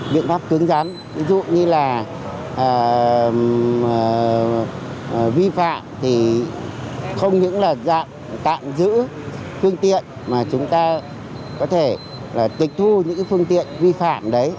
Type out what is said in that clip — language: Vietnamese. biện pháp cứng rắn ví dụ như là vi phạm thì không những là dạng tạm giữ phương tiện mà chúng ta có thể tịch thu những phương tiện vi phạm đấy